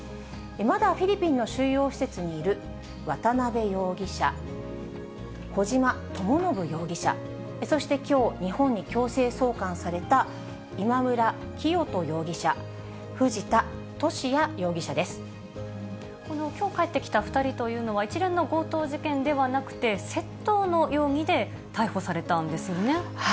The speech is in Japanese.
まだフィリピンの収容施設にいる渡辺容疑者、小島智信容疑者、そしてきょう、日本に強制送還された今村磨人容疑者、このきょう帰ってきた２人というのは、一連の強盗事件ではなくて、窃盗の容疑で逮捕されたんですよね。